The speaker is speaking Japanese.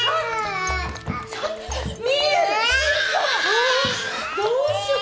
ああどうしよう！